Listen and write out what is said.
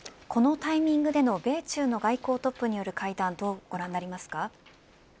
このタイミングでの米中の外交トップによる会談どうご覧になりますか。